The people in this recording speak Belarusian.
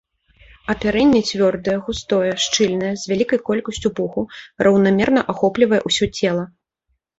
Апярэнне цвёрдае, густое, шчыльнае з вялікай колькасцю пуху, раўнамерна ахоплівае ўсё цела.